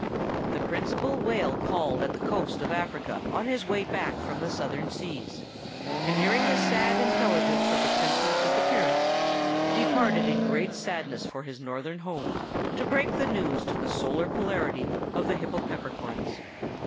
The Principal Whale called at the coast of Africa on his way back from the Southern seas, and hearing the sad intelligence of the Prince's disappearance, departed in great sadness for his Northern home, to break the news to the Solar Polarity of the Hypopeppercorns.